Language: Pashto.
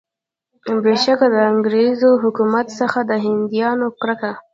بېشکه د انګریز حکومت څخه د هندیانو کرکه.